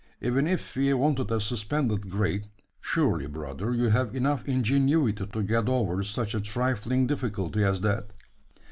Even if we wanted a suspended grate, surely, brother, you have enough ingenuity to get over such a trifling difficulty as that?"